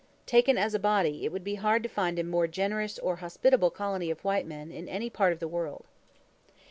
Taken as a body, it would be hard to find a more generous or hospitable colony of white men in any part of the world.